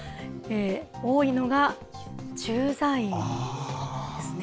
多いのが駐在員ですね。